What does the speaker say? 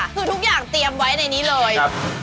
คือทุกอย่างเตรียมไว้ในนี้เลย